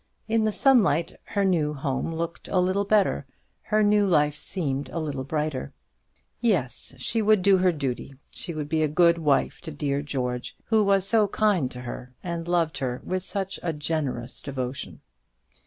In the sunlight her new home looked a little better, her new life seemed a little brighter. Yes, she would do her duty; she would be a good wife to dear George, who was so kind to her, and loved her with such a generous devotion.